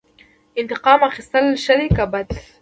انتقام اخیستل ښه دي که بد؟